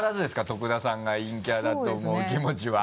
徳田さんが陰キャだと思う気持ちは。